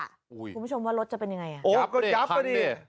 คุณผู้ชมว่ารถจะเป็นยังไงโอ้ยก็จับไปดิ